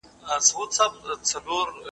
زما قلم ستا تر قلم ډېر ښه لیکل کوي.